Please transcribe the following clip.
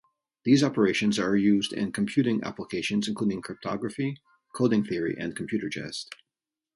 These operations are used in computing applications including cryptography, coding theory, and computer chess.